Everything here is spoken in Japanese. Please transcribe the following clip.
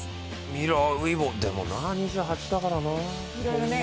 ミラー・ウイボでも２８だからな。